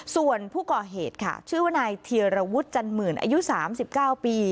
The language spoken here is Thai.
ส่วนผู้ก่อเหตุค่ะชื่อว่านายเทียรวุฒิจันหมื่นอายุ๓๙ปี